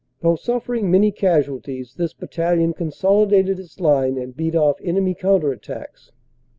Though suffering many casualties, this battalion consolidated its line and beat off enemy counter at tacks.